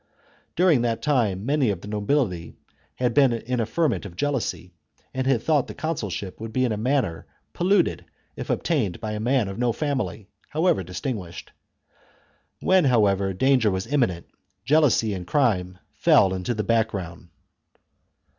Till that time many of the nobility had been in a ferment of jealousy, and had thought the consul ship would be in a manner polluted if obtained by a man of no family, however distinguished. When, however, danger was imminent, jealousy and crime fell into the background.